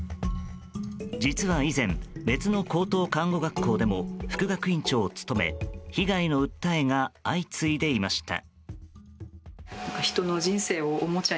実は以前、別の高等看護学校でも副学院長を務め被害の訴えが相次いでいました。